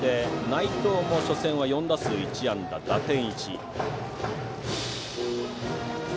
内藤も初戦、４打数１安打打点１。